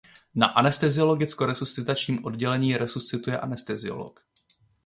Na anesteziologickoresuscitačním oddělení resuscituje anesteziolog.